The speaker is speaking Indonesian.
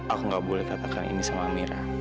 aku enggak boleh katakan ini sama amirah